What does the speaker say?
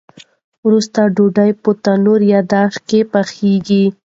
وروسته ډوډۍ په تنور یا داش کې پخیږي.